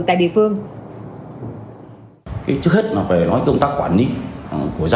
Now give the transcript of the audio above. tại địa phương